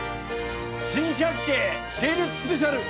『珍百景』系列スペシャル優勝